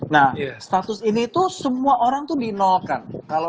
nah status ini itu semua orang itu dinolkan